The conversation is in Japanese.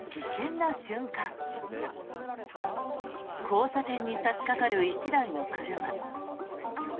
交差点に差しかかる１台の車。